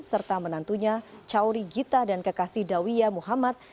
serta menantunya cauri gita dan kekasih dawiya muhammad